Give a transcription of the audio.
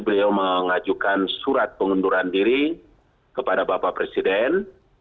beliau mengajukan surat pengunduran diri kepada bapak presiden